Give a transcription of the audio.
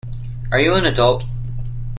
Are you an adult?